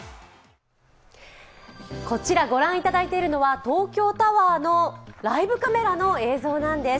こちら御覧いただいているのは東京タワーのライブカメラの映像なんです。